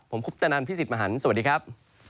ผมคุปตนันพี่สิทธิมหันฯสวัสดีครับ